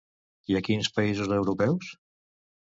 I a quins països europeus?